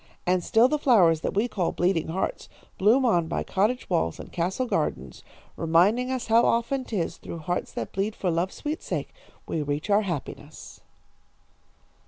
"And still the flowers that we call bleeding hearts bloom on by cottage walls and castle gardens, reminding us how often 'tis through hearts that bleed for love's sweet sake we reach our happiness."